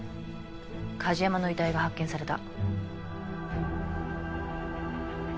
梶山の遺体が発見された。